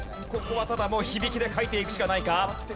ここはただもう響きで書いていくしかないか？